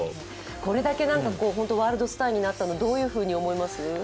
これだけワールドスターになったのをどういうふうに思います？